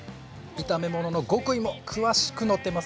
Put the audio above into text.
炒め物の極意も詳しく載っていますよ。